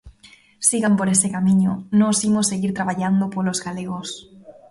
Sigan por ese camiño, nós imos seguir traballando polos galegos.